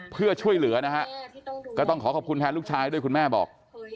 เพื่อช่วยเหลือนะฮะก็ต้องขอขอบคุณแทนลูกชายด้วยคุณแม่บอก